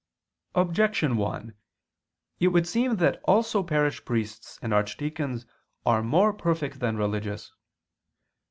Objection 1: It would seem that also parish priests and archdeacons are more perfect than religious.